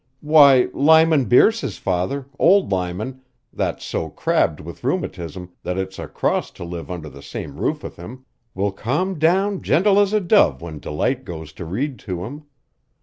Why, Lyman Bearse's father, old Lyman, that's so crabbed with rhumatism that it's a cross to live under the same roof with him, will calm down gentle as a dove when Delight goes to read to him.